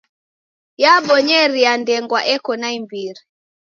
Yabonyeria ndengwa eko naimbiri.